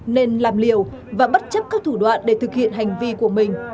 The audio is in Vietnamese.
nên làm liều và bất chấp các thủ đoạn để thực hiện hành vi của mình